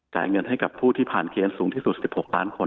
เงินให้กับผู้ที่ผ่านเค้นสูงที่สุด๑๖ล้านคน